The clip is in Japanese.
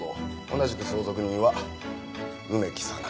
同じく相続人は梅木早苗。